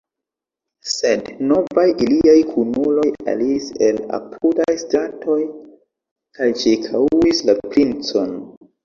Sed novaj iliaj kunuloj aliris el apudaj stratoj kaj ĉirkaŭis la princon.